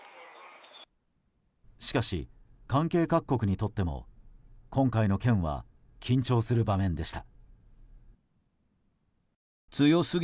しかし、関係各国にとっても今回の件は緊張する場面でした。